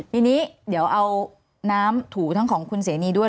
ทีนี้เดี๋ยวเอาน้ำถูทั้งของคุณเสนีด้วย